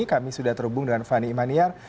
kami sudah terhubung dengan fani imaniar